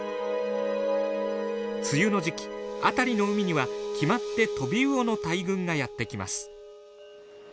梅雨の時期辺りの海には決まってトビウオの大群がやって来ます。